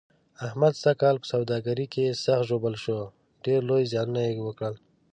احمد سږ کال په سوداګرۍ کې سخت ژوبل شو، ډېر لوی زیانونه یې وکړل.